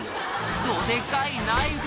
どデカいナイフ！